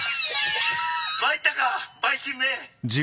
参ったかバイ菌め！